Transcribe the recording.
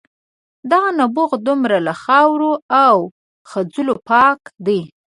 دغه نبوغ دومره له خاورو او خځلو پاک دی.